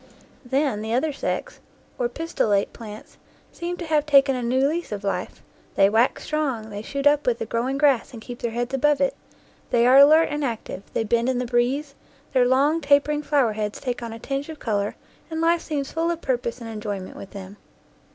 Then the other sex, or pistillate plants, seem to have taken a new lease of life; they wax strong, they shoot up with the growing grass and keep their heads above it; they are alert and active, they bend in the breeze, their long, tapering flower heads take on a tinge of color, and life seems full of purpose and enjoyment with them.